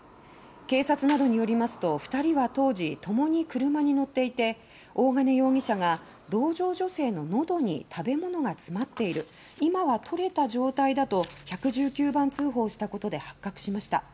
警察などによりますと２人は当時ともに車に乗っていて大金容疑者が「同乗女性ののどに食べ物がつまっている今はとれた状態だ」と１１９番通報したことで発覚しました。